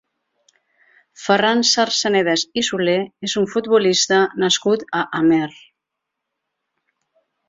Ferran Sarsanedas i Soler és un futbolista nascut a Amer.